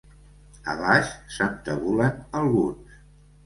A baix se'n tabulen alguns.